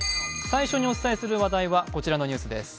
最初にお伝えする話題はこちらのニュースです。